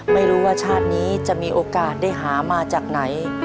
ไม่รู้ว่าชาตินี้จะมีโอกาสได้หามาจากไหน